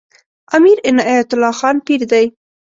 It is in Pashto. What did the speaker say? امیر عنایت الله خان پیر دی.